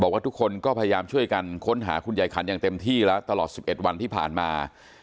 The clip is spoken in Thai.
ว่าทุกคนก็พยายามช่วยกันค้นหาคุณยายขันอย่างเต็มที่แล้วตลอด๑๑วันที่ผ่านมา